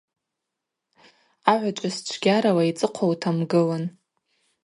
Агӏвычӏвгӏвыс чвгьарала йцӏыхъва утамгылын.